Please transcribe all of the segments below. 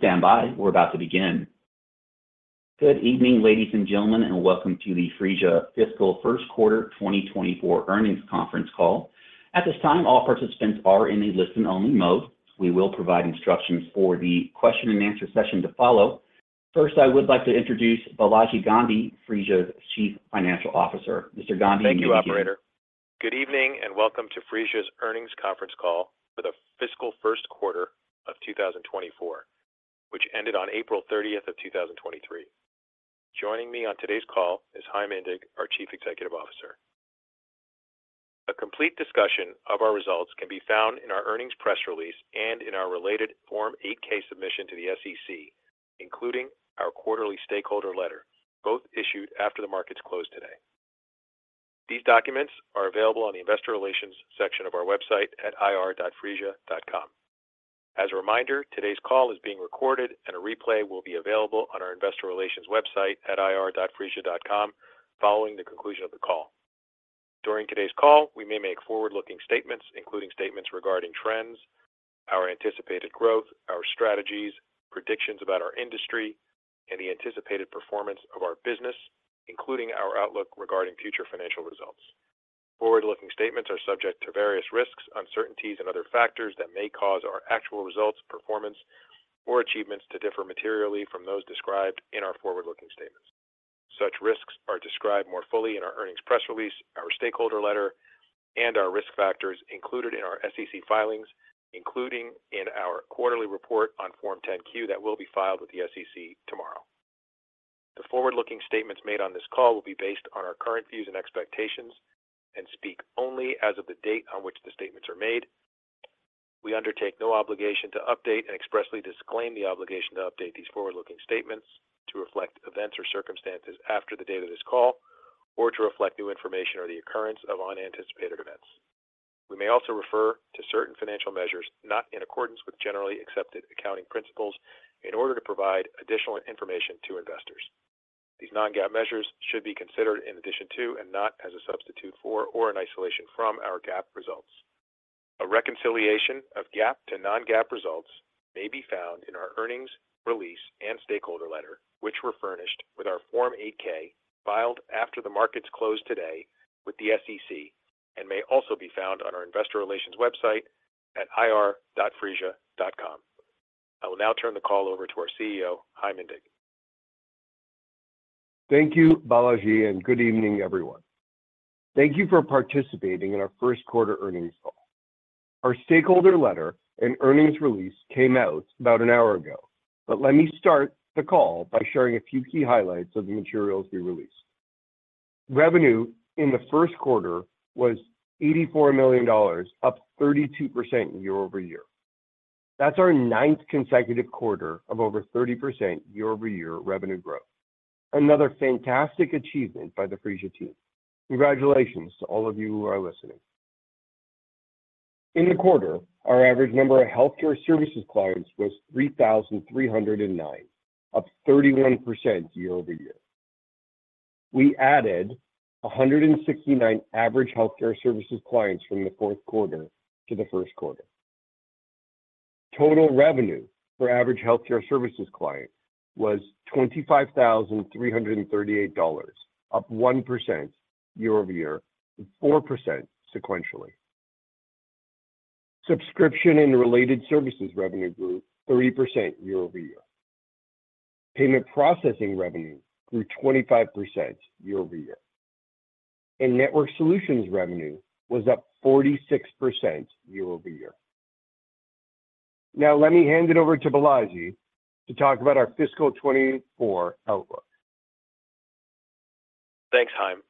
Good evening, ladies and gentlemen, and welcome to the Phreesia fiscal first quarter 2024 earnings conference call. At this time, all participants are in a listen-only mode. We will provide instructions for the question and answer session to follow. First, I would like to introduce Balaji Gandhi, Phreesia's Chief Financial Officer. Mr. Gandhi, you may begin. Thank you, operator. Good evening, and welcome to Phreesia's earnings conference call for the fiscal first quarter of 2024, which ended on April 30th, 2023. Joining me on today's call is Chaim Indig, our Chief Executive Officer. A complete discussion of our results can be found in our earnings press release and in our related Form 8-K submission to the SEC, including our quarterly stakeholder letter, both issued after the markets closed today. These documents are available on the investor relations section of our website at ir.phreesia.com. As a reminder, today's call is being recorded, and a replay will be available on our investor relations website at ir.phreesia.com following the conclusion of the call. During today's call, we may make forward-looking statements, including statements regarding trends, our anticipated growth, our strategies, predictions about our industry, and the anticipated performance of our business, including our outlook regarding future financial results. Forward-looking statements are subject to various risks, uncertainties, and other factors that may cause our actual results, performance, or achievements to differ materially from those described in our forward-looking statements. Such risks are described more fully in our earnings press release, our stakeholder letter, and our risk factors included in our SEC filings, including in our quarterly report on Form 10-Q that will be filed with the SEC tomorrow. The forward-looking statements made on this call will be based on our current views and expectations and speak only as of the date on which the statements are made. We undertake no obligation to update and expressly disclaim the obligation to update these forward-looking statements to reflect events or circumstances after the date of this call or to reflect new information or the occurrence of unanticipated events. We may also refer to certain financial measures not in accordance with generally accepted accounting principles in order to provide additional information to investors. These non-GAAP measures should be considered in addition to and not as a substitute for or in isolation from our GAAP results. A reconciliation of GAAP to non-GAAP results may be found in our earnings release and stakeholder letter, which were furnished with our Form 8-K, filed after the markets closed today with the SEC and may also be found on our investor relations website at ir.phreesia.com. I will now turn the call over to our CEO, Chaim Indig. Thank you, Balaji. Good evening, everyone. Thank you for participating in our first quarter earnings call. Our stakeholder letter and earnings release came out about an hour ago, but let me start the call by sharing a few key highlights of the materials we released. Revenue in the first quarter was $84 million, up 32% year-over-year. That's our ninth consecutive quarter of over 30% year-over-year revenue growth. Another fantastic achievement by the Phreesia team. Congratulations to all of you who are listening. In the quarter, our average number of healthcare services clients was 3,309, up 31% year-over-year. We added 169 average healthcare services clients from the fourth quarter to the first quarter. Total revenue for average healthcare services client was $25,338, up 1% year-over-year and 4% sequentially. Subscription and related services revenue grew 3% year-over-year. Payment processing revenue grew 25% year-over-year, and network solutions revenue was up 46% year-over-year. Let me hand it over to Balaji to talk about our fiscal 2024 outlook. Thanks, Chaim.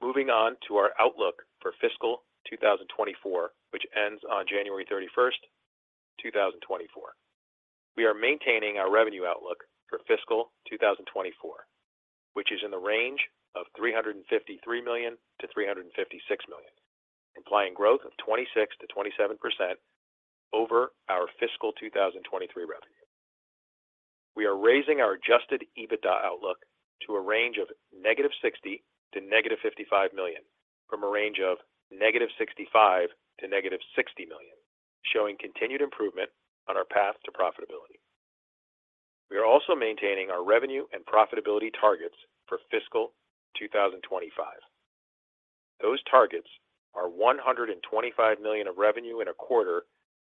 Moving on to our outlook for fiscal 2024, which ends on January 31st, 2024. We are maintaining our revenue outlook for fiscal 2024, which is in the range of $353 million-$356 million, implying growth of 26%-27% over our fiscal 2023 revenue. We are raising our adjusted EBITDA outlook to a range of -$60 million to -$55 million, from a range of -$65 million to -$60 million, showing continued improvement on our path to profitability. We are also maintaining our revenue and profitability targets for fiscal 2025. Those targets are $125 million of revenue in a quarter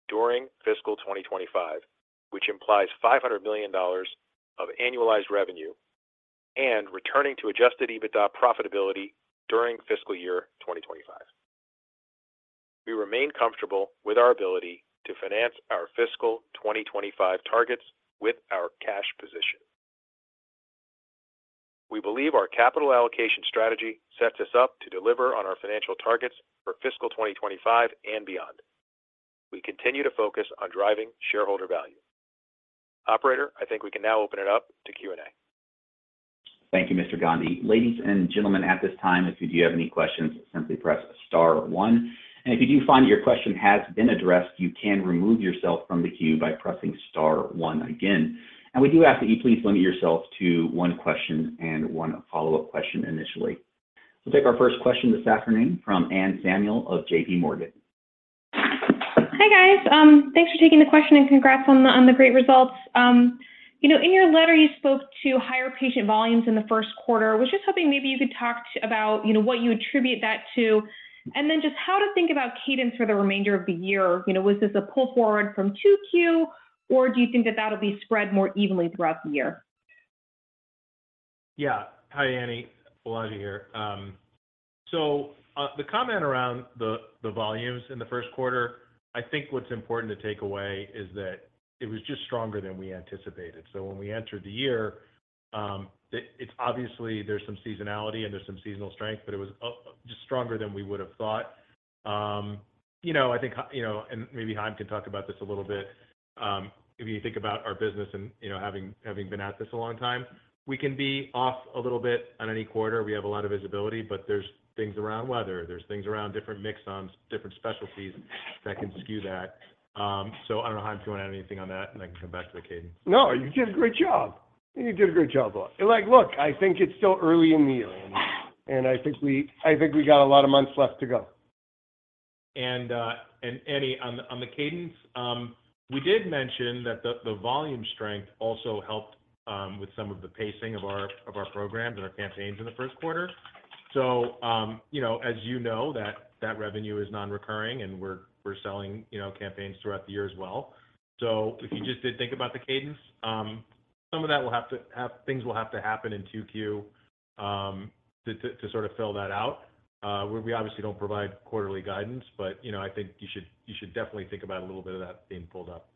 during fiscal 2025, which implies $500 million of annualized revenue and returning to adjusted EBITDA profitability during fiscal year 2025. We remain comfortable with our ability to finance our fiscal 2025 targets with our cash position. We believe our capital allocation strategy sets us up to deliver on our financial targets for fiscal 2025 and beyond. We continue to focus on driving shareholder value. Operator, I think we can now open it up to Q&A. Thank you, Mr. Gandhi. Ladies and gentlemen, at this time, if you do have any questions, simply press star one. If you do find your question has been addressed, you can remove yourself from the queue by pressing star one again. We do ask that you please limit yourself to one question and one follow-up question initially. We'll take our first question this afternoon from Anne Samuel of JPMorgan. Hi, guys. thanks for taking the question, and congrats on the great results. you know, in your letter, you spoke to higher patient volumes in the first quarter. I was just hoping maybe you could talk about, you know, what you attribute that to, and then just how to think about cadence for the remainder of the year. You know, was this a pull forward from 2Q, or do you think that that'll be spread more evenly throughout the year? Yeah. Hi, Anne, Balaji here. The comment around the volumes in the first quarter, I think what's important to take away is that it was just stronger than we anticipated. When we entered the year, it's obviously there's some seasonality and there's some seasonal strength, but it was just stronger than we would have thought. You know, I think, you know, and maybe Chaim can talk about this a little bit, if you think about our business and, you know, having been at this a long time, we can be off a little bit on any quarter. We have a lot of visibility, but there's things around weather, there's things around different mix on different specialties that can skew that. I don't know, Chaim, if you want to add anything on that, and I can come back to the cadence. You did a great job. Like, look, I think it's still early in the year, and I think we got a lot of months left to go. Anne, on the cadence, we did mention that the volume strength also helped with some of the pacing of our programs and our campaigns in the first quarter. You know, as you know, that revenue is non-recurring, and we're selling, you know, campaigns throughout the year as well. If you just did think about the cadence, things will have to happen in 2Q to sort of fill that out. We obviously don't provide quarterly guidance, but, you know, I think you should definitely think about a little bit of that being pulled up.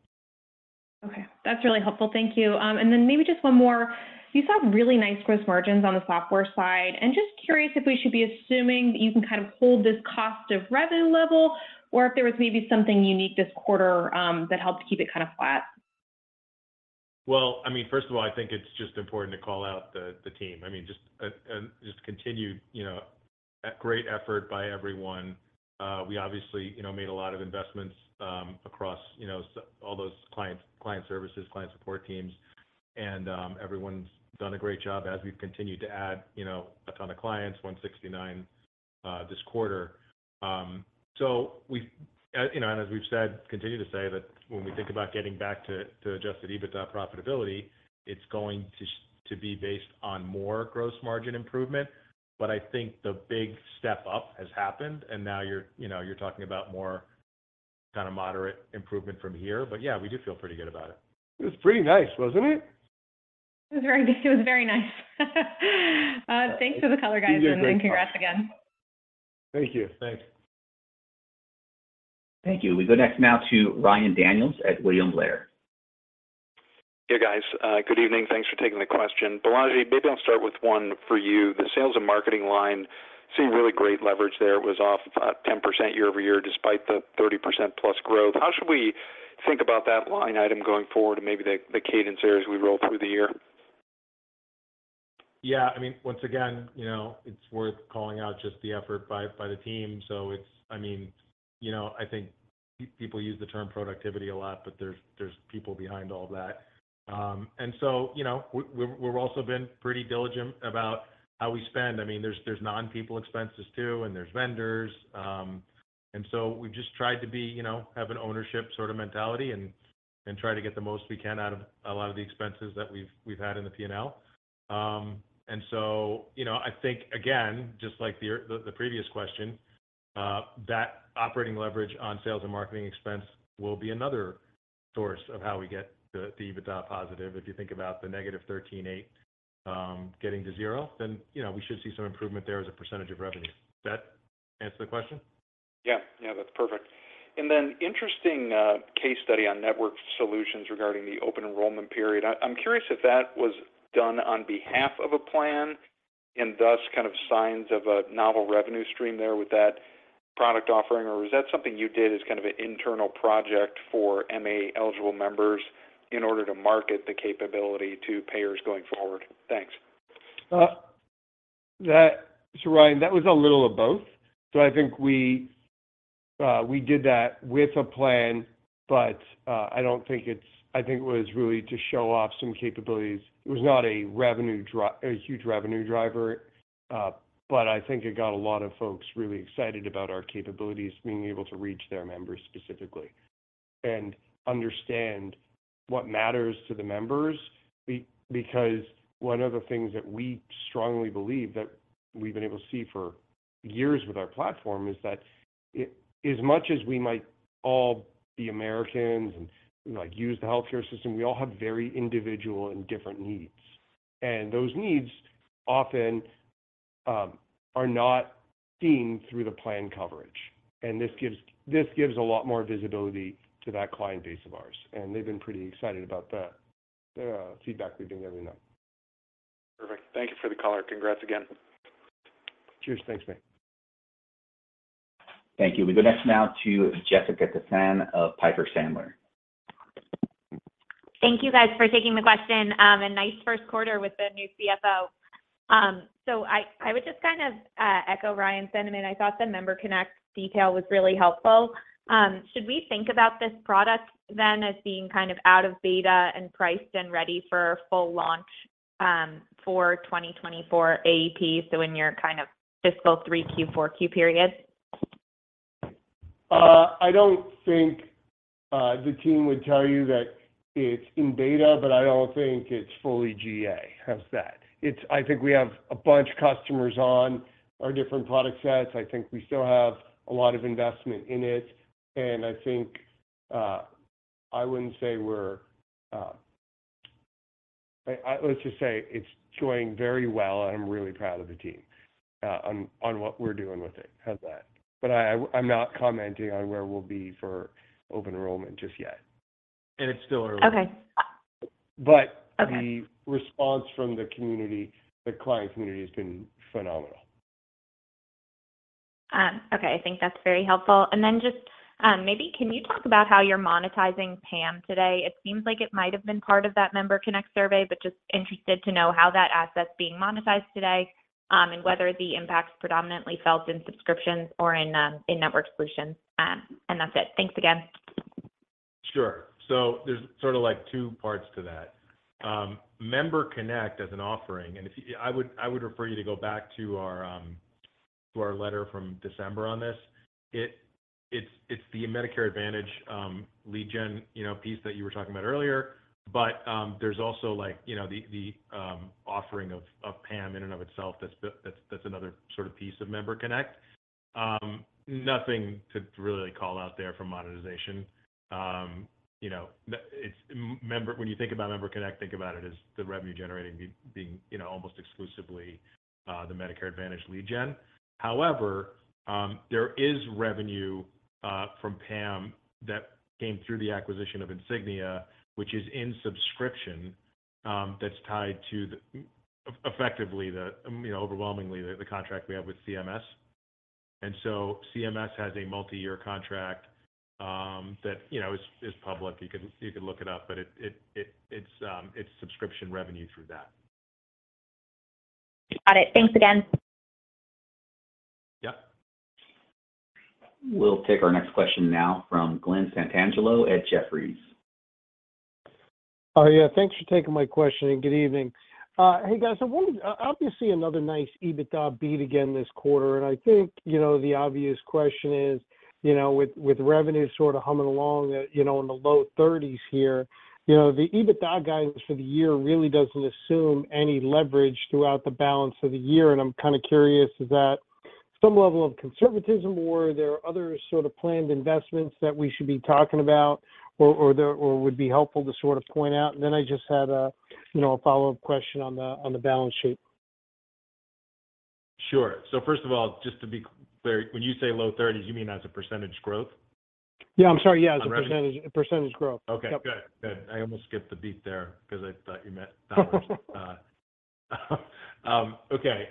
Okay, that's really helpful. Thank you. Maybe just one more. You saw really nice gross margins on the software side, and just curious if we should be assuming that you can kind of hold this cost of revenue level, or if there was maybe something unique this quarter that helped keep it kind of flat? Well, I mean, first of all, I think it's just important to call out the team. I mean, just continued, you know, a great effort by everyone. We obviously, you know, made a lot of investments across, you know, all those client services, client support teams, and everyone's done a great job as we've continued to add, you know, a ton of clients, 169 this quarter. We've, you know, and as we've said, continue to say that when we think about getting back to adjusted EBITDA profitability, it's going to be based on more gross margin improvement. I think the big step up has happened, and now you're, you know, you're talking about more kind of moderate improvement from here. Yeah, we do feel pretty good about it. It was pretty nice, wasn't it? It was very nice. Thanks for the color, guys, congrats again. Thank you. Thanks. Thank you. We go next now to Ryan Daniels at William Blair. Hey, guys. Good evening. Thanks for taking the question. Balaji, maybe I'll start with one for you. The sales and marketing line, seeing really great leverage there was off about 10% year-over-year, despite the 30% plus growth. How should we think about that line item going forward and maybe the cadence there as we roll through the year? I mean, once again, you know, it's worth calling out just the effort by the team. It's, I mean, you know, I think people use the term productivity a lot, but there's people behind all that. You know, we've also been pretty diligent about how we spend. I mean, there's non-people expenses, too, and there's vendors. You know, we've just tried to be, you know, have an ownership sort of mentality and try to get the most we can out of a lot of the expenses that we've had in the P&L. You know, I think, again, just like the previous question, that operating leverage on sales and marketing expense will be another source of how we get the EBITDA positive. If you think about the -13.8%, getting to zero, you know, we should see some improvement there as a percentage of revenue. Does that answer the question? Yeah. Yeah, that's perfect. Interesting case study on network solutions regarding the open enrollment period. I'm curious if that was done on behalf of a plan and thus kind of signs of a novel revenue stream there with that product offering, or is that something you did as kind of an internal project for MA eligible members in order to market the capability to payers going forward? Thanks. Ryan, that was a little of both. I think we did that with a plan, but I think it was really to show off some capabilities. It was not a huge revenue driver, but I think it got a lot of folks really excited about our capabilities, being able to reach their members specifically and understand what matters to the members. Because one of the things that we strongly believe that we've been able to see for years with our platform is that, as much as we might all be Americans and, like, use the healthcare system, we all have very individual and different needs, and those needs often are not seen through the plan coverage. this gives a lot more visibility to that client base of ours, and they've been pretty excited about that. The feedback we've been getting out. Perfect. Thank you for the color. Congrats again. Cheers. Thanks, mate. Thank you. We go next now to Jessica Tassan of Piper Sandler. Thank you, guys, for taking the question, and nice first quarter with the new CFO. I would just kind of, echo Ryan's sentiment. I thought the MemberConnect detail was really helpful. Should we think about this product as being kind of out of beta and priced and ready for full launch, for 2024 AP, so in your kind of fiscal 3Q, 4Q period? I don't think the team would tell you that it's in beta, but I don't think it's fully GA. How's that? I think we have a bunch of customers on our different product sets. I think we still have a lot of investment in it, and I think I wouldn't say we're, let's just say it's doing very well, and I'm really proud of the team on what we're doing with it. How's that? I'm not commenting on where we'll be for open enrollment just yet. It's still early. Okay. But- Okay the response from the community, the client community, has been phenomenal. Okay, I think that's very helpful. Maybe can you talk about how you're monetizing PAM today? It seems like it might have been part of that MemberConnect survey, but just interested to know how that asset's being monetized today, and whether the impact's predominantly felt in subscriptions or in network solutions. That's it. Thanks again. Sure. There's sort of like two parts to that. MemberConnect as an offering, and I would refer you to go back to our letter from December on this. It's the Medicare Advantage lead gen, you know, piece that you were talking about earlier. There's also, like, you know, the offering of PAM in and of itself that's another sort of piece of MemberConnect. Nothing to really call out there for monetization. You know, the, it's MemberConnect when you think about MemberConnect, think about it as the revenue generating being, you know, almost exclusively, the Medicare Advantage lead gen. However, there is revenue from PAM that came through the acquisition of Insignia, which is in subscription, that's tied to effectively, I mean, overwhelmingly, the contract we have with CMS. CMS has a multiyear contract that, you know, is public. You can look it up, but it's subscription revenue through that. Got it. Thanks again. Yeah. We'll take our next question now from Glen Santangelo at Jefferies. Oh, yeah, thanks for taking my question, and good evening. Hey, guys. Obviously, another nice EBITDA beat again this quarter, I think, you know, the obvious question is, you know, with revenue sort of humming along at, you know, in the low thirties here, you know, the EBITDA guidance for the year really doesn't assume any leverage throughout the balance of the year. I'm kind of curious, is that some level of conservatism, or are there other sort of planned investments that we should be talking about, or there, or would be helpful to sort of point out? Then I just had a, you know, a follow-up question on the balance sheet. Sure. First of all, just to be clear, when you say low 30s, you mean as a percentage growth? Yeah, I'm sorry. Okay. As a percentage growth. Okay, good. Good. I almost skipped a beat there 'cause I thought you meant dollars. Okay.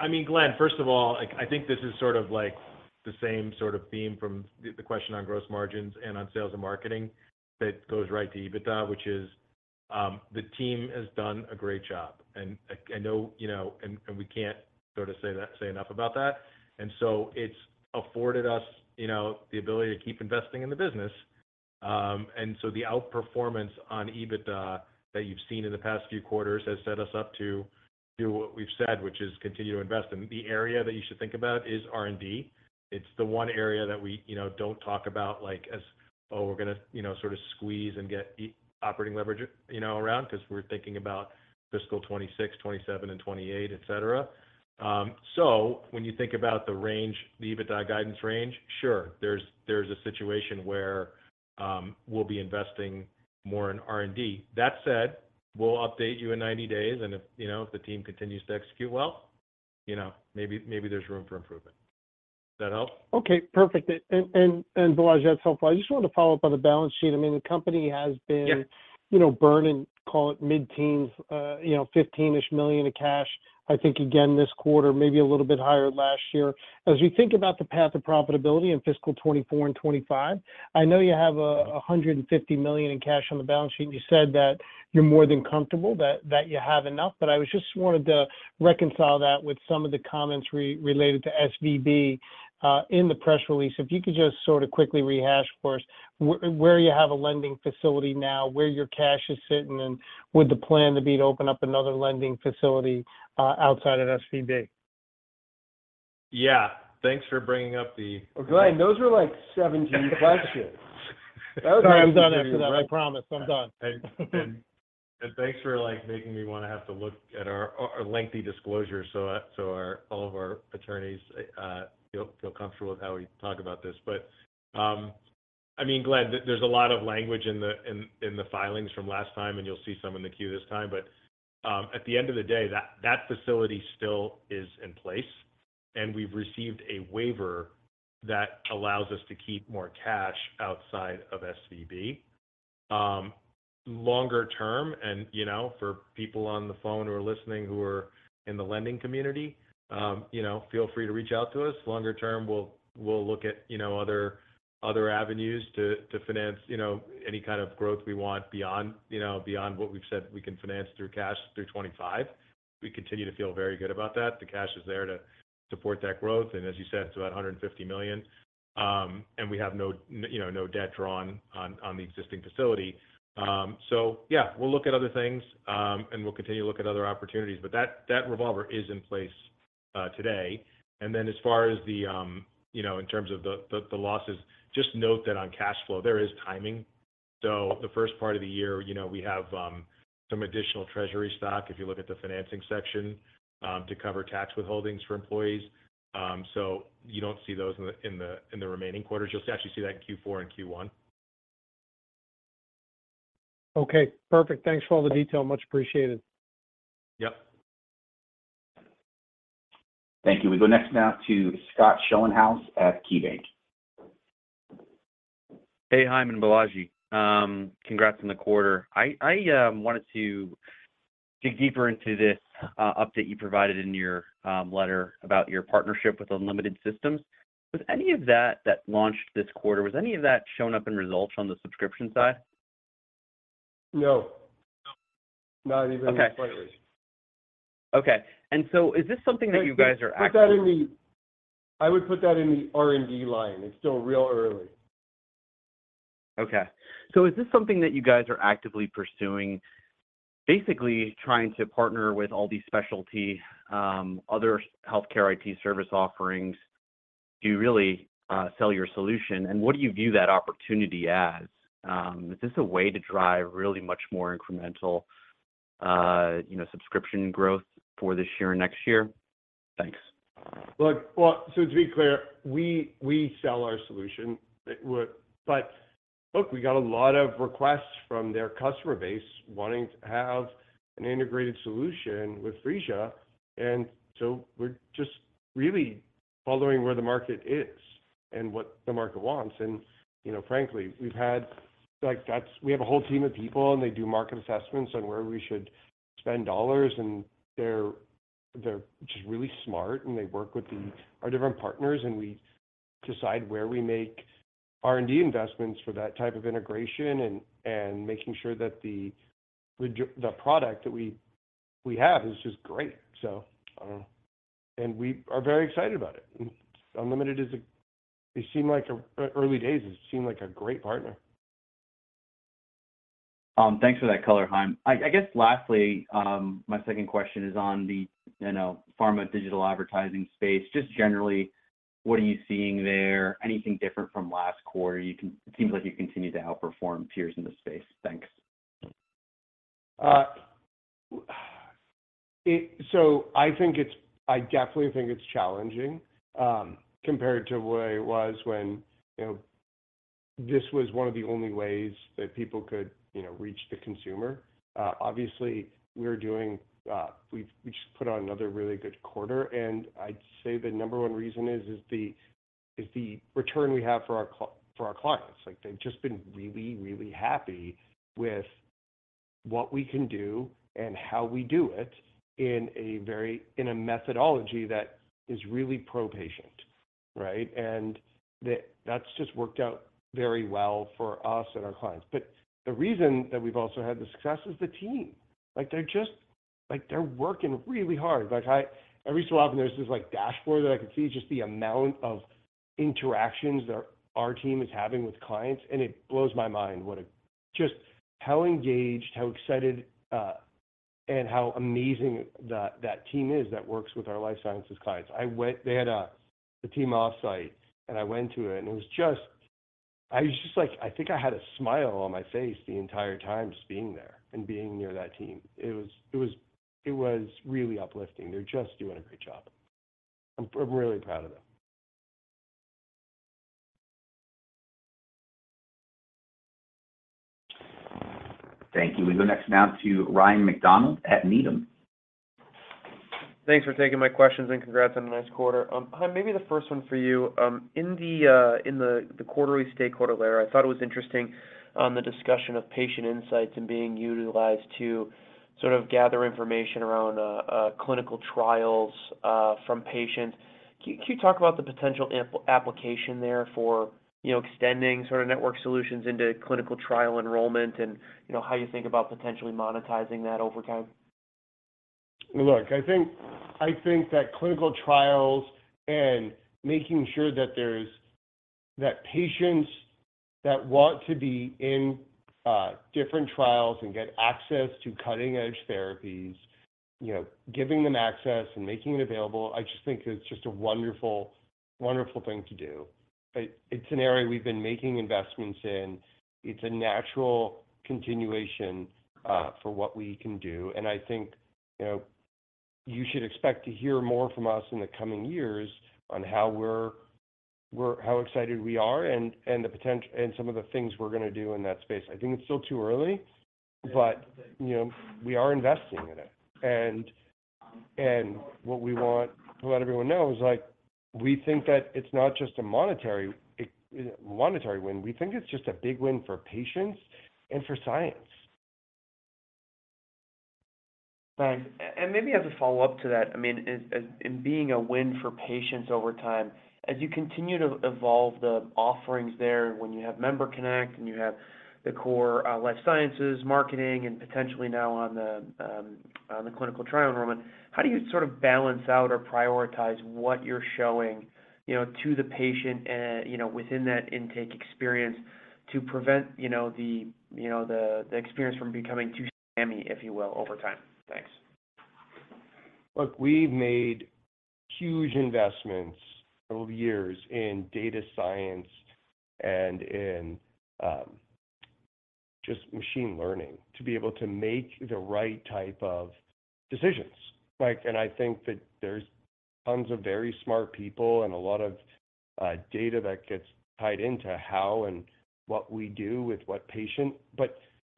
I mean, Glen, first of all, like, I think this is sort of like the same sort of theme from the question on gross margins and on sales and marketing that goes right to EBITDA, which is, the team has done a great job, and, like, I know, you know. We can't sort of say that, say enough about that. It's afforded us, you know, the ability to keep investing in the business. The outperformance on EBITDA that you've seen in the past few quarters has set us up to do what we've said, which is continue to invest. The area that you should think about is R&D. It's the one area that we, you know, don't talk about, like, as, oh, we're gonna, you know, sort of squeeze and get operating leverage, you know, around, 'cause we're thinking about fiscal 2026, 2027 and 2028, et cetera. So when you think about the range, the EBITDA guidance range, sure, there's a situation where we'll be investing more in R&D. That said, we'll update you in 90 days, if, you know, if the team continues to execute well, you know, maybe there's room for improvement. Does that help? Okay, perfect. Balaj, that's helpful. I just wanted to follow up on the balance sheet. I mean, the company has been. Yeah You know, burning, call it mid-teens, you know, $15 million of cash. I think again, this quarter, maybe a little bit higher last year. As we think about the path to profitability in fiscal 2024 and 2025, I know you have a $150 million in cash on the balance sheet, and you said that you're more than comfortable that you have enough. I was just wanted to reconcile that with some of the comments related to SVB in the press release. If you could just sort of quickly rehash for us where you have a lending facility now, where your cash is sitting, and would the plan to be to open up another lending facility outside of SVB? Yeah. Thanks for bringing up. Well, Glen, those were, like, seven deep questions. Sorry, I'm done after that, I promise. I'm done. Thanks for, like, making me wanna have to look at our lengthy disclosure, so all of our attorneys feel comfortable with how we talk about this. I mean, Glen, there's a lot of language in the filings from last time, and you'll see some in the Q this time, at the end of the day, that facility still is in place, and we've received a waiver that allows us to keep more cash outside of SVB. Longer term, you know, for people on the phone who are listening, who are in the lending community, you know, feel free to reach out to us. Longer term, we'll look at, you know, other avenues to finance, you know, any kind of growth we want beyond, you know, beyond what we've said we can finance through cash through 2025. We continue to feel very good about that. The cash is there to support that growth, and as you said, it's about $150 million. We have no, you know, no debt drawn on the existing facility. Yeah, we'll look at other things, and we'll continue to look at other opportunities, but that revolver is in place, today. Then as far as the, you know, in terms of the losses, just note that on cash flow, there is timing. The first part of the year, you know, we have, some additional treasury stock, if you look at the financing section, to cover tax withholdings for employees. You don't see those in the remaining quarters. You'll actually see that in Q4 and Q1. Okay, perfect. Thanks for all the detail. Much appreciated. Yep. Thank you. We go next now to Scott Schoenhaus at KeyBanc. Hey, Chaim and Balaji. congrats on the quarter. I wanted to dig deeper into this update you provided in your letter about your partnership with Unlimited Systems. Was any of that launched this quarter, was any of that shown up in results on the subscription side? No. No. Not even- Okay. slightly. Okay. Is this something that you guys are actively- I would put that in the R&D line. It's still real early. Is this something that you guys are actively pursuing? Basically, trying to partner with all these specialty, other Healthcare IT service offerings to really sell your solution, and what do you view that opportunity as? Is this a way to drive really much more incremental, you know, subscription growth for this year and next year? Thanks. Well, to be clear, we sell our solution. Look, we got a lot of requests from their customer base wanting to have an integrated solution with Phreesia. We're just really following where the market is and what the market wants. You know, frankly, we've had. Like, that's we have a whole team of people, and they do market assessments on where we should spend dollars, and they're just really smart, and they work with our different partners, and we decide where we make R&D investments for that type of integration and making sure that the product that we have is just great. And we are very excited about it. Unlimited is a, they seem like a, early days, it seemed like a great partner. Thanks for that color, Chaim. I guess, lastly, my second question is on the, you know, pharma digital advertising space. Just generally, what are you seeing there? Anything different from last quarter? It seems like you continue to outperform peers in the space. Thanks. I think I definitely think it's challenging, compared to the way it was when, you know, this was one of the only ways that people could, you know, reach the consumer. Obviously, we're doing, we just put on another really good quarter, and I'd say the number one reason is the return we have for our clients. Like, they've just been really, really happy with what we can do and how we do it in a very, in a methodology that is really pro-patient, right? That's just worked out very well for us and our clients. The reason that we've also had the success is the team. Like, they're working really hard. Like, every so often, there's this, like, dashboard that I can see just the amount of interactions that our team is having with clients, and it blows my mind just how engaged, how excited, and how amazing that team is that works with our life sciences clients. They had a team off-site, and I went to it, and it was just. I was just like, I think I had a smile on my face the entire time just being there and being near that team. It was really uplifting. They're just doing a great job. I'm really proud of them. Thank you. We go next now to Ryan MacDonald at Needham. Thanks for taking my questions, congrats on a nice quarter. Chaim, maybe the first one for you. In the, in the quarterly stakeholder letter, I thought it was interesting, the discussion of patient insights and being utilized to sort of gather information around clinical trials from patients. Can you talk about the potential application there for, you know, extending sort of network solutions into clinical trial enrollment and, you know, how you think about potentially monetizing that over time? Look, I think, I think that clinical trials and making sure that there's, that patients that want to be in different trials and get access to cutting-edge therapies, you know, giving them access and making it available, I just think it's just a wonderful thing to do. It's an area we've been making investments in. It's a natural continuation for what we can do. I think, you know, you should expect to hear more from us in the coming years on how we're how excited we are and the potent- and some of the things we're gonna do in that space. I think it's still too early, but, you know, we are investing in it. What we want to let everyone know is, like, we think that it's not just a monetary win, we think it's just a big win for patients and for science. Thanks. Maybe as a follow-up to that, I mean, as in being a win for patients over time, as you continue to evolve the offerings there, when you have MemberConnect, and you have the core life sciences marketing, and potentially now on the clinical trial enrollment, how do you sort of balance out or prioritize what you're showing, you know, to the patient and, you know, within that intake experience to prevent, you know, the experience from becoming too spammy, if you will, over time? Thanks. Look, we've made huge investments over the years in data science and in just machine learning to be able to make the right type of decisions, right? I think that there's tons of very smart people and a lot of data that gets tied into how and what we do with what patient.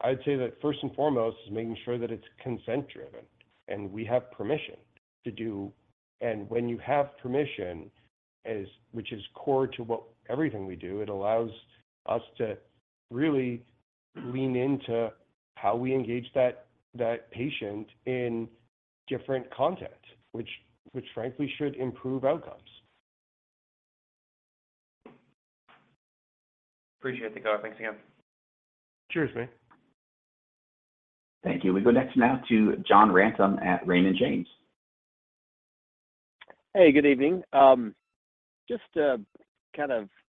I'd say that first and foremost is making sure that it's consent-driven, and we have permission to do. When you have permission, as which is core to what everything we do, it allows us to really lean into how we engage that patient in different content, which, frankly, should improve outcomes. Appreciate the call. Thanks again. Cheers, mate. Thank you. We go next now to John Ransom at Raymond James. Hey, good evening.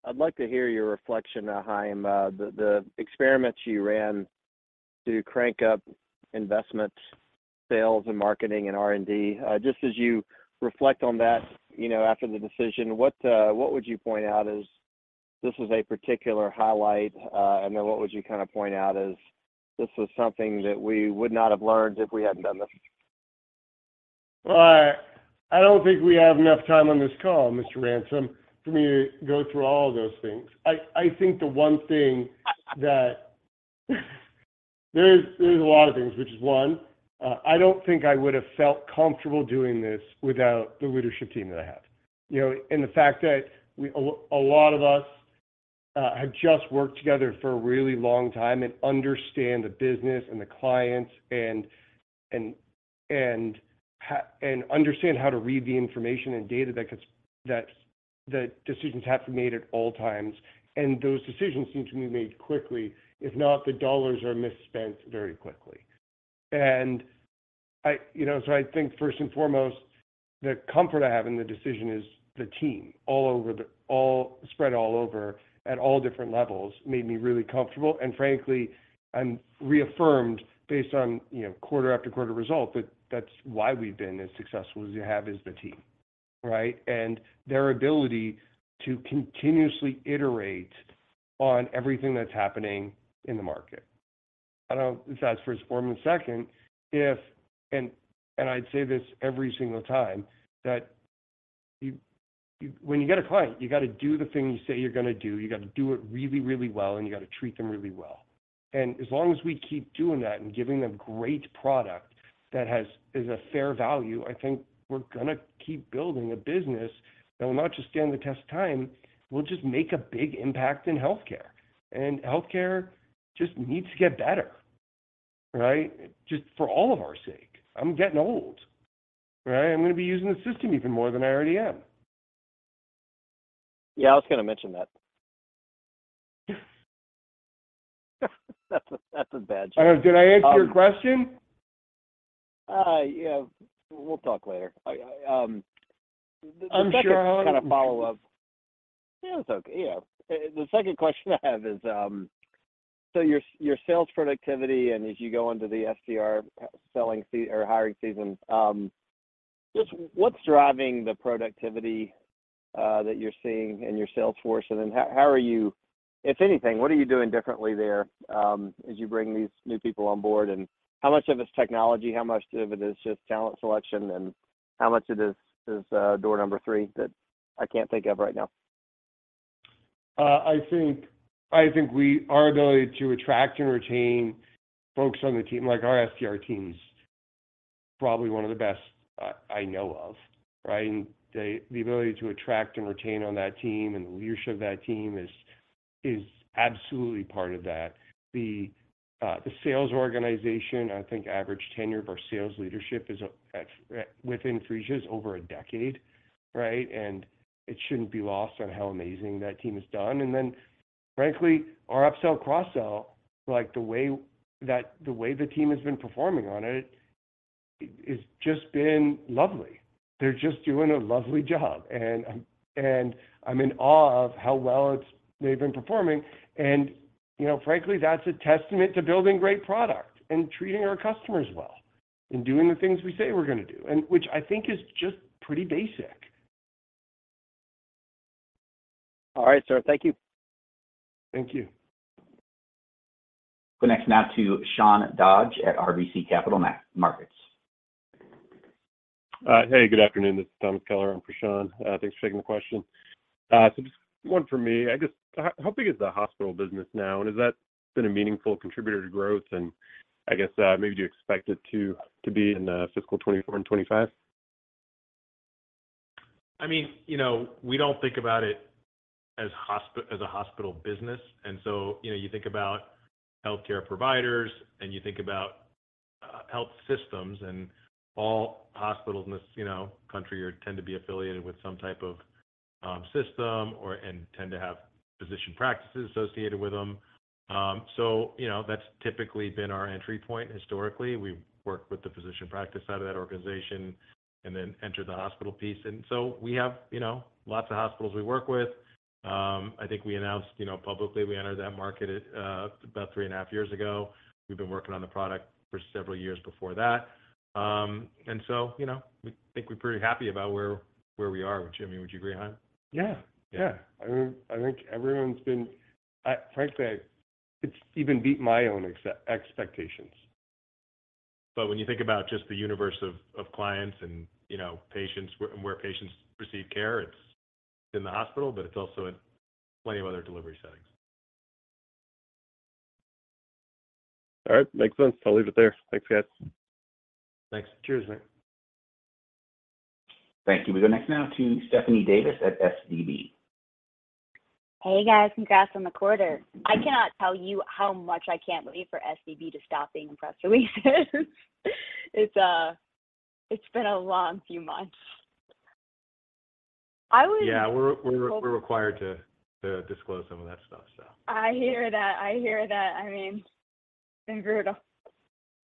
I'd like to hear your reflection, Chaim, the experiments you ran to crank up investment, sales, and marketing, and R&D. Just as you reflect on that, you know, after the decision, what would you point out as this was a particular highlight? What would you kind of point out as this was something that we would not have learned if we hadn't done this? Well, I don't think we have enough time on this call, Mr. Ransom, for me to go through all those things. I think the one thing that, there's a lot of things, which is, one, I don't think I would have felt comfortable doing this without the leadership team that I have. You know, the fact that a lot of us have just worked together for a really long time and understand the business and the clients and understand how to read the information and data that decisions have to be made at all times, and those decisions need to be made quickly. If not, the dollars are misspent very quickly. I, you know, so I think first and foremost, the comfort I have in the decision is the team all over, spread all over at all different levels, made me really comfortable. Frankly, I'm reaffirmed based on, you know, quarter after quarter result, that that's why we've been as successful as we have is the team, right? Their ability to continuously iterate on everything that's happening in the market. That's first and foremost. I'd say this every single time, that you when you get a client, you gotta do the things you say you're gonna do, you gotta do it really, really well, and you gotta treat them really well. As long as we keep doing that and giving them great product that is a fair value, I think we're gonna keep building a business that will not just stand the test of time, we'll just make a big impact in healthcare. Healthcare just needs to get better, right? Just for all of our sake. I'm getting old, right? I'm gonna be using the system even more than I already am. Yeah, I was gonna mention that. That's a bad joke. Did I answer your question? Yeah. We'll talk later. I- I'm sure- kind of follow up. Yeah, it's okay. Yeah. The second question I have is, your sales productivity, and as you go into the SDR hiring season, just what's driving the productivity that you're seeing in your sales force? How are you, if anything, what are you doing differently there, as you bring these new people on board? How much of it is technology, how much of it is just talent selection, and how much of this is door number three that I can't think of right now? I think our ability to attract and retain folks on the team, like our SDR team, is probably one of the best I know of, right? The ability to attract and retain on that team and the leadership of that team is absolutely part of that. The sales organization, I think average tenure of our sales leadership is within Phreesia over a decade, right? It shouldn't be lost on how amazing that team has done. Then, frankly, our upsell, cross-sell, like, the way the team has been performing on it's just been lovely. They're just doing a lovely job, and I'm in awe of how well they've been performing. You know, frankly, that's a testament to building great product and treating our customers well, and doing the things we say we're gonna do, and which I think is just pretty basic. All right, sir. Thank you. Thank you. Go next now to Sean Dodge at RBC Capital Markets. Hey, good afternoon. This is Thomas Kelliher in for Sean. Thanks for taking the question. Just one for me. How big is the hospital business now, and has that been a meaningful contributor to growth? I guess, maybe do you expect it to be in the fiscal 2024 and 2025? I mean, you know, we don't think about it as as a hospital business, and so, you know, you think about healthcare providers, and you think about health systems, and all hospitals in this, you know, country are, tend to be affiliated with some type of, system or, and tend to have physician practices associated with them. You know, that's typically been our entry point historically. We've worked with the physician practice out of that organization and then entered the hospital piece. We have, you know, lots of hospitals we work with. I think we announced, you know, publicly, we entered that market at about three and a half years ago. We've been working on the product for several years before that. You know, we think we're pretty happy about where we are, which, I mean, would you agree, Chaim? Yeah. Yeah. I, frankly, I, it's even beat my own expectations. When you think about just the universe of clients and, you know, patients, where patients receive care, it's in the hospital, but it's also in plenty of other delivery settings. All right. Makes sense. I'll leave it there. Thanks, guys. Thanks. Cheers, man. Thank you. We go next now to Stephanie Davis at SVB. Hey, guys. Congrats on the quarter. I cannot tell you how much I can't wait for SVB to stop being in press releases. It's been a long few months. Yeah, we're required to disclose some of that stuff, so. I hear that. I hear that. I mean, it's been brutal.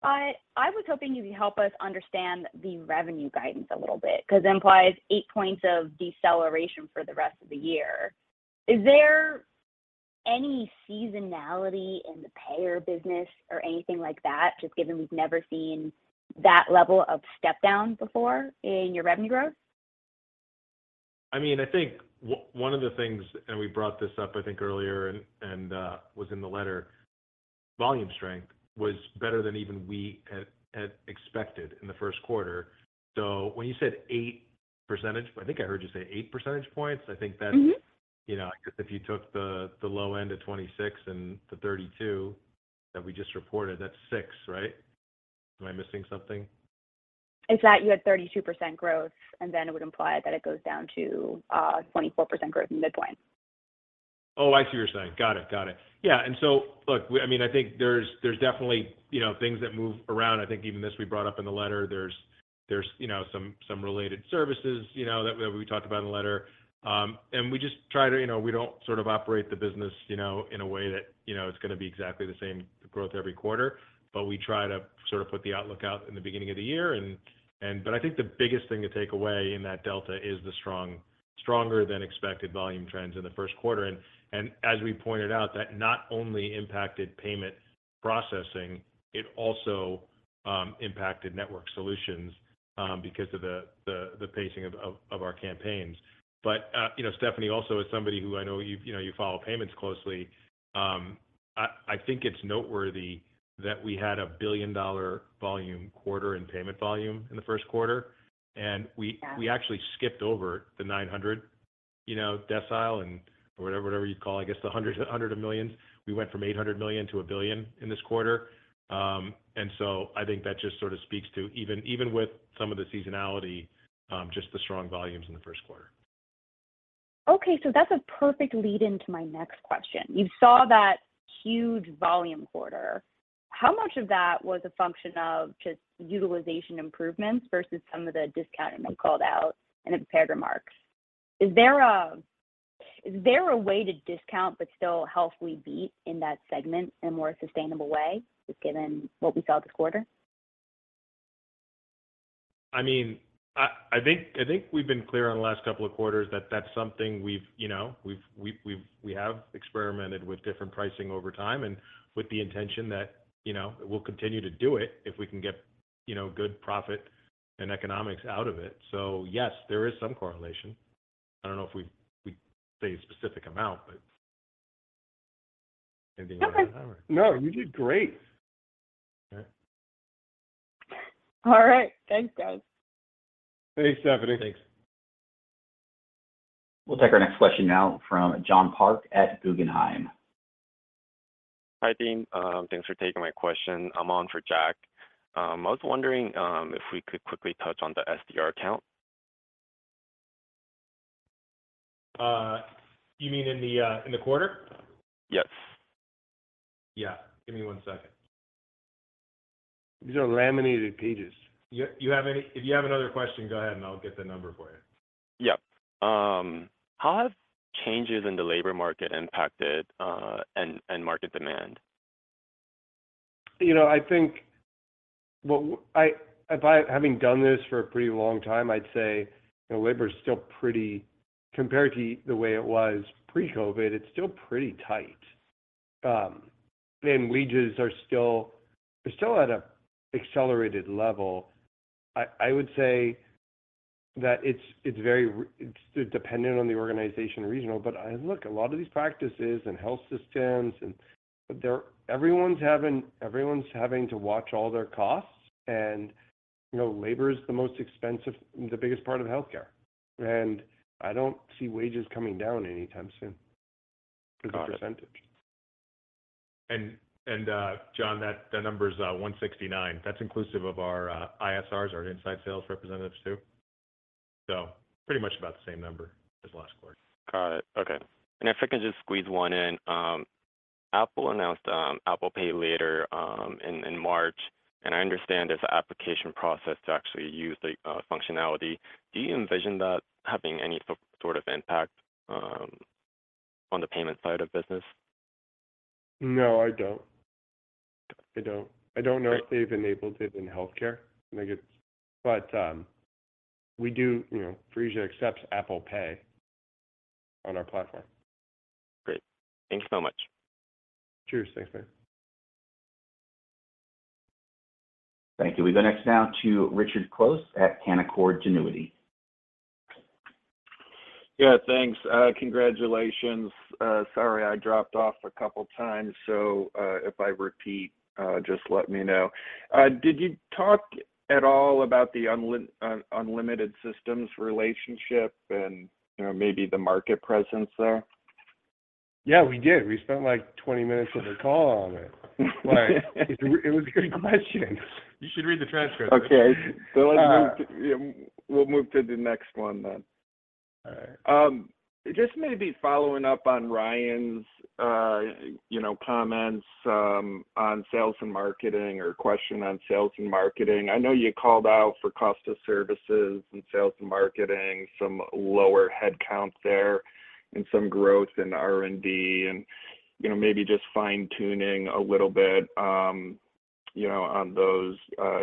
I was hoping you could help us understand the revenue guidance a little bit, 'cause it implies eight points of deceleration for the rest of the year. Is there any seasonality in the payer business or anything like that, just given we've never seen that level of step down before in your revenue growth? I mean, I think one of the things, and we brought this up, I think, earlier, and was in the letter, volume strength was better than even we had expected in the first quarter. When you said 8%, I think I heard you say 8 percentage points, I think that's. Mm-hmm You know, 'cause if you took the low end of 26% and the 32% that we just reported, that's 6, right? Am I missing something? It's that you had 32% growth, and then it would imply that it goes down to 24% growth in midpoint. I see what you're saying. Got it. Got it. Look, we, I mean, I think there's definitely, you know, things that move around. I think even this, we brought up in the letter, there's, you know, some related services, you know, that we talked about in the letter. We just try to, you know, we don't sort of operate the business, you know, in a way that, you know, it's gonna be exactly the same growth every quarter, but we try to sort of put the outlook out in the beginning of the year. I think the biggest thing to take away in that delta is the strong, stronger than expected volume trends in the first quarter. As we pointed out, that not only impacted payment processing, it also impacted network solutions because of the pacing of our campaigns. You know, Stephanie, also as somebody who I know you've, you know, you follow payments closely, I think it's noteworthy that we had a billion-dollar volume quarter in payment volume in the first quarter. Yeah We actually skipped over the 900, you know, decile and whatever you'd call, I guess, the hundred of millions. We went from $800 million to $1 billion in this quarter. I think that just sort of speaks to even with some of the seasonality, just the strong volumes in the first quarter. That's a perfect lead into my next question. You saw that huge volume quarter. How much of that was a function of just utilization improvements versus some of the discounting you called out in the prepared remarks? Is there a way to discount but still healthfully beat in that segment in a more sustainable way, given what we saw this quarter? I mean, I think we've been clear on the last couple of quarters that that's something we've, you know, we have experimented with different pricing over time and with the intention that, you know, we'll continue to do it if we can get, you know, good profit and economics out of it. Yes, there is some correlation. I don't know if we say a specific amount, but anything you wanna add, Chaim? No, you did great. All right. All right. Thanks, guys. Thanks, Stephanie. Thanks. We'll take our next question now from John Park at Guggenheim. Hi, team. Thanks for taking my question. I'm on for Jack. I was wondering if we could quickly touch on the SDR count? You mean in the quarter? Yes. Yeah. Give me one second. These are laminated pages. If you have another question, go ahead, and I'll get the number for you. How have changes in the labor market impacted, and market demand? You know, I think what I, by having done this for a pretty long time, I'd say, you know, labor is still pretty. Compared to the way it was pre-COVID, it's still pretty tight. Wages are still, they're still at an accelerated level. I would say that it's very dependent on the organization, regional. Look, a lot of these practices and health systems, everyone's having to watch all their costs, and you know, labor is the most expensive, the biggest part of healthcare. I don't see wages coming down anytime soon, as a percentage. John, that number's 169. That's inclusive of our ISRs, our inside sales representatives, too. Pretty much about the same number as last quarter. Got it. Okay. If I can just squeeze one in, Apple announced Apple Pay Later in March, and I understand there's an application process to actually use the functionality. Do you envision that having any sort of impact on the payment side of business? No, I don't. I don't. Great. I don't know if they've enabled it in healthcare, I guess, but, we do, you know, Phreesia accepts Apple Pay on our platform. Great. Thank you so much. Cheers. Thanks, man. Thank you. We go next now to Richard Close at Canaccord Genuity. Thanks. Congratulations. Sorry, I dropped off a couple times, so, if I repeat, just let me know. Did you talk at all about the Unlimited Systems relationship and, you know, maybe the market presence there? Yeah, we did. We spent, like, 20 minutes of the call on it. Like, it was a good question. You should read the transcript. Okay. Uh- Yeah, we'll move to the next one then. All right. Just maybe following up on Ryan's, you know, comments on sales and marketing, or question on sales and marketing. I know you called out for cost of services and sales and marketing, some lower headcount there, and some growth in R&D, and, you know, maybe just fine-tuning a little bit, you know, on those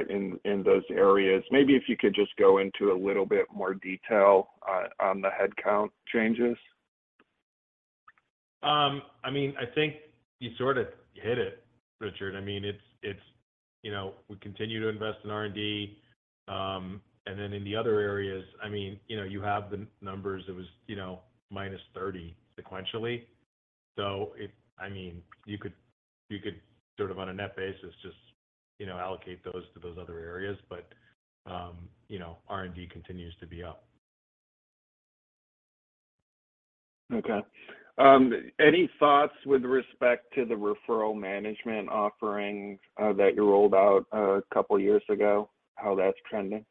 in those areas. Maybe if you could just go into a little bit more detail on the headcount changes. I mean, I think you sort of hit it, Richard. It's, you know, we continue to invest in R&D, and then in the other areas, I mean, you know, you have the numbers. It was, you know, -30 sequentially. You could sort of on a net basis, just, you know, allocate those to those other areas, but, you know, R&D continues to be up. Any thoughts with respect to the referral management offering, that you rolled out a couple of years ago, how that's trending?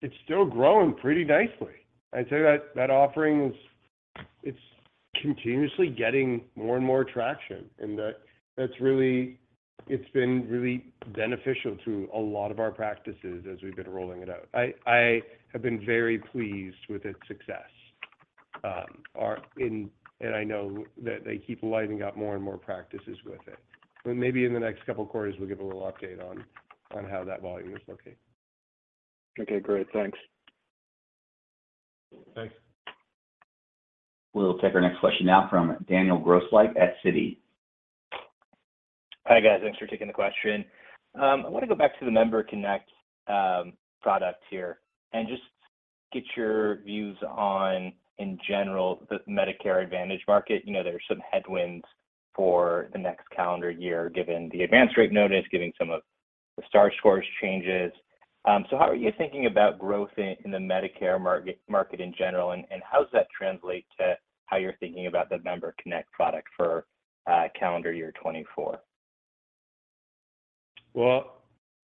It's still growing pretty nicely. I'd say that that offering is, it's continuously getting more and more traction, and that's really. It's been really beneficial to a lot of our practices as we've been rolling it out. I have been very pleased with its success, our, and I know that they keep lighting up more and more practices with it. Maybe in the next couple of quarters, we'll give a little update on how that volume is looking. Okay, great. Thanks. Thanks. We'll take our next question now from Daniel Grosslight at Citi. Hi, guys. Thanks for taking the question. I wanna go back to the MemberConnect product here and just get your views on, in general, the Medicare Advantage market. You know, there are some headwinds for the next calendar year, given the advance rate notice, given some of the Star Scores changes. How are you thinking about growth in the Medicare market in general, and how does that translate to how you're thinking about the MemberConnect product for calendar year 2024? Well,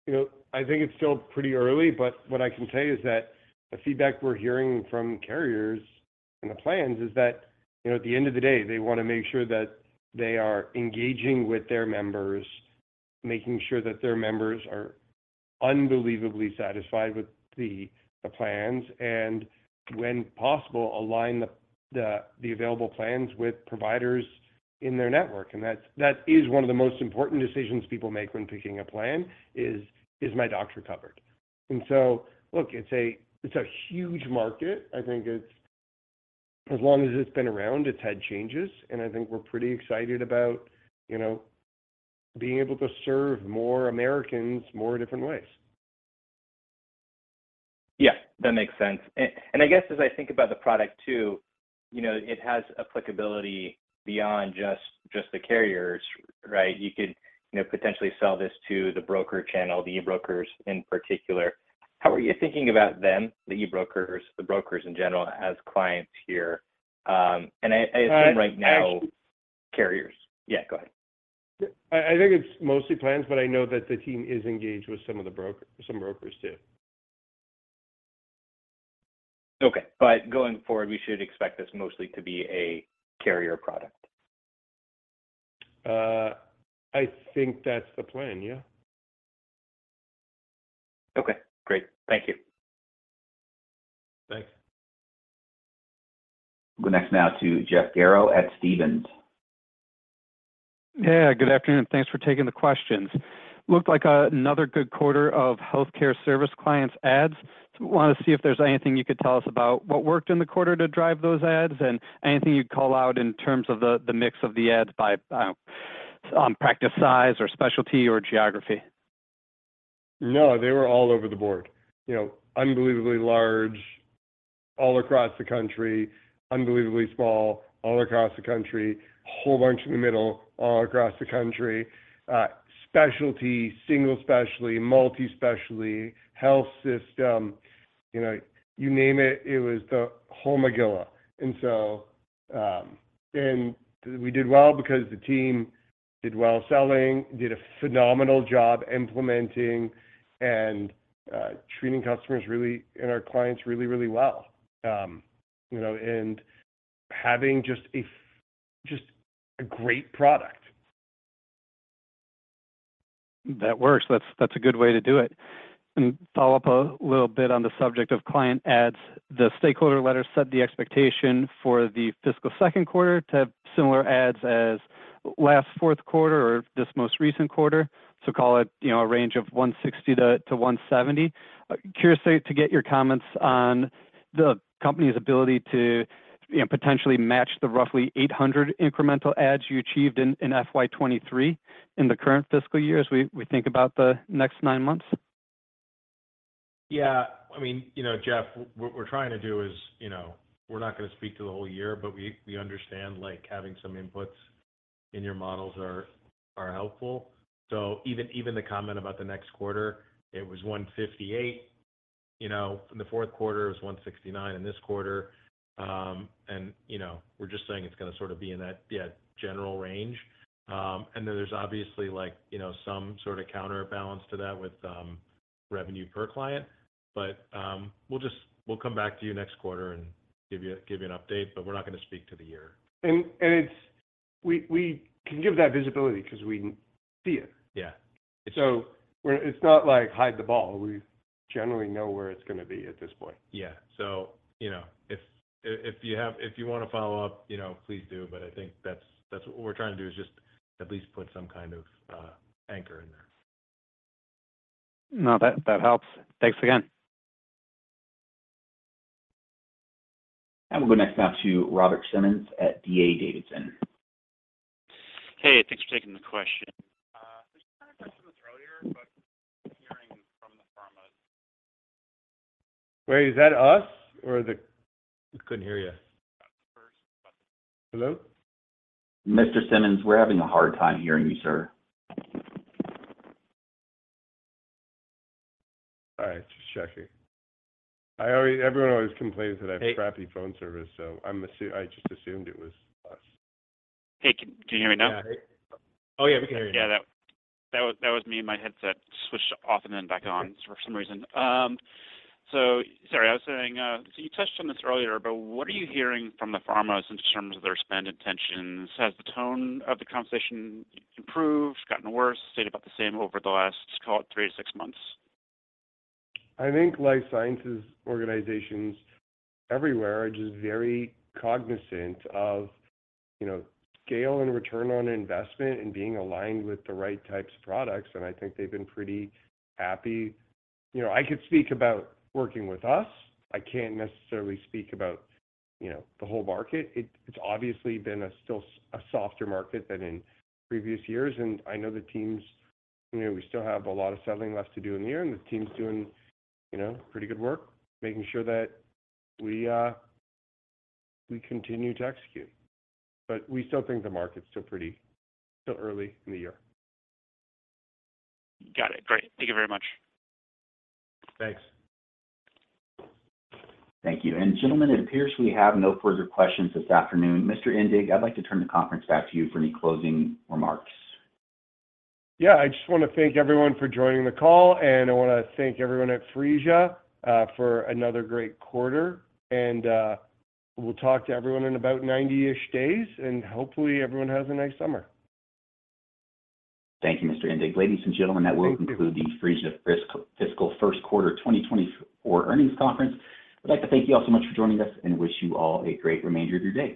you know, I think it's still pretty early, but what I can tell you is that the feedback we're hearing from carriers and the plans is that, you know, at the end of the day, they wanna make sure that they are engaging with their members, making sure that their members are unbelievably satisfied with the plans, and when possible, align the available plans with providers in their network. That is one of the most important decisions people make when picking a plan, is: Is my doctor covered? Look, it's a huge market. I think it's. As long as it's been around, it's had changes, I think we're pretty excited about, you know, being able to serve more Americans, more different ways. Yeah, that makes sense. I guess, as I think about the product too, you know, it has applicability beyond just the carriers, right? You could, you know, potentially sell this to the broker channel, the e-brokers in particular. How are you thinking about them, the e-brokers, the brokers in general, as clients here? I- I assume right now, carriers. Yeah, go ahead. I think it's mostly plans, but I know that the team is engaged with some brokers too. Okay. Going forward, we should expect this mostly to be a carrier product? I think that's the plan, yeah. Okay, great. Thank you. Thanks. We'll go next now to Jeff Garro at Stephens. Yeah, good afternoon. Thanks for taking the questions. Looked like another good quarter of healthcare service clients adds. I wanna see if there's anything you could tell us about what worked in the quarter to drive those adds, and anything you'd call out in terms of the mix of the adds by practice size or specialty or geography? No, they were all over the board. You know, unbelievably large, all across the country, unbelievably small, all across the country, a whole bunch in the middle, all across the country. Specialty, single specialty, multi-specialty, health system, you know, you name it was the whole megillah. We did well because the team did well selling, did a phenomenal job implementing and treating customers really, and our clients really, really well. You know, and having just a great product. That works. That's a good way to do it. Follow up a little bit on the subject of client adds. The stakeholder letter set the expectation for the fiscal second quarter to have similar adds as last fourth quarter or this most recent quarter. Call it, you know, a range of 160-170. Curious to get your comments on the company's ability to, you know, potentially match the roughly 800 incremental adds you achieved in FY 2023, in the current fiscal year, as we think about the next nine months. I mean, you know, Jeff, what we're trying to do is, you know, we're not gonna speak to the whole year, but we understand, like, having some inputs in your models are helpful. Even, even the comment about the next quarter, it was 158, you know, in the fourth quarter, it was 169 in this quarter. And, you know, we're just saying it's gonna sort of be in that, yeah, general range. And then there's obviously, like, you know, some sort of counterbalance to that with, revenue per client. We'll come back to you next quarter and give you, give you an update, but we're not gonna speak to the year. We can give that visibility 'cause we see it. Yeah. It's not like hide the ball. We generally know where it's gonna be at this point. Yeah. You know, if you wanna follow up, you know, please do. I think that's what we're trying to do, is just at least put some kind of anchor in there. No, that helps. Thanks again. We'll go next now to Robert Simmons at D.A. Davidson. Hey, thanks for taking the question. You touched on this earlier, but hearing from the. Wait, is that us or? We couldn't hear you. Hello? Mr. Simmons, we're having a hard time hearing you, sir. All right, just checking. Everyone always complains. Hey- crappy phone service, I just assumed it was us. Hey, can you hear me now? Yeah. Oh, yeah, we can hear you. Yeah, that was me. My headset switched off and then back on for some reason. Sorry, I was saying, you touched on this earlier, what are you hearing from the pharmas in terms of their spend intentions? Has the tone of the conversation improved, gotten worse, stayed about the same over the last, call it, three to six months? I think life sciences organizations everywhere are just very cognizant of, you know, scale and return on investment and being aligned with the right types of products, and I think they've been pretty happy. You know, I could speak about working with us. I can't necessarily speak about, you know, the whole market. It's obviously been a still a softer market than in previous years, and I know the teams, you know, we still have a lot of selling left to do in the year, and the team's doing, you know, pretty good work, making sure that we continue to execute. We still think the market's still pretty, still early in the year. Got it. Great. Thank you very much. Thanks. Thank you. Gentlemen, it appears we have no further questions this afternoon. Mr. Indig, I'd like to turn the conference back to you for any closing remarks. Yeah. I just wanna thank everyone for joining the call, and I wanna thank everyone at Phreesia, for another great quarter. we'll talk to everyone in about 90-ish days, and hopefully, everyone has a nice summer. Thank you, Mr. Indig. Thank you. Ladies and gentlemen, that will conclude the Phreesia fiscal first quarter 2024 earnings conference. I'd like to thank you all so much for joining us and wish you all a great remainder of your day.